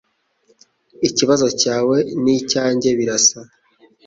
Ikibazo cyawe nicyanjye birasa.